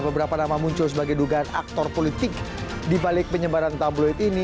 beberapa nama muncul sebagai dugaan aktor politik dibalik penyebaran tabloid ini